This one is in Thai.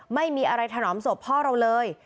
ไม่มีอะไรถนอมศพพ่อเราเลย